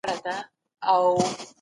دا کارونه پيوستون قوي کوي.